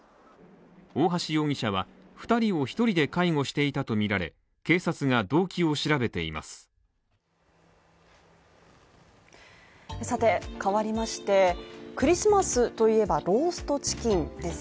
大橋容疑者は２人を１人で介護していたとみられ、警察が動機を調べています。